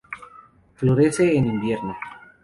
Florece en invierno.